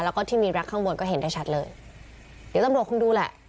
แล้วก็ที่มีรักข้างบนก็เห็นได้ชัดเลยเดี๋ยวตำรวจคงดูแหละ